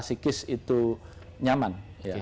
sikis itu nyaman